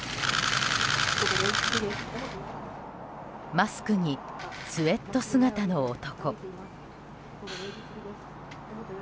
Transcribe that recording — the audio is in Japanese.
マスクにスウェット姿の男。